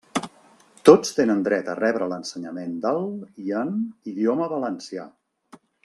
Tots tenen dret a rebre l'ensenyament del, i en, idioma valencià.